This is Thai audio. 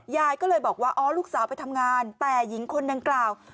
ยายก็เลยบอกว่าอ๋อลูกสาวไปทำงานแต่หญิงคนดังกล่าว